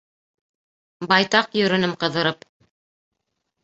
Байтаҡ йөрөнөм ҡыҙырып.